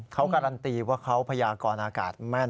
เขาการันตีว่าเขาพยากรอากาศแม่น